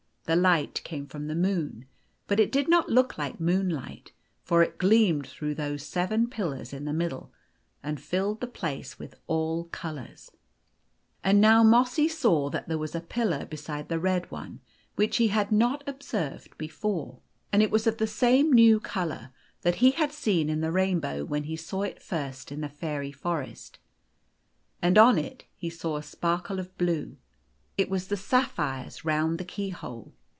The light came from the moon, but it did not The Golden Key 2 1 5 look like moonlight, for it gleamed through those seven pillars in the middle, and filled the place with all colours. And now Mossy saw that there was a pillar beside the red one, which he had not observed before. And it was of the same new T colour that he had seen in the rainbow when he saw it first in the fairy forest. And on it he saw a sparkle of blue. It was the sapphires round the keyhole.